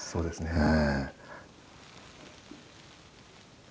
ええ。